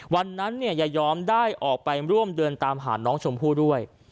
วันนั้นเนี่ยยายอมได้ออกไปร่วมเดินตามหาน้องชมพู่ด้วย